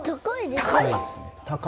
高いんですかね。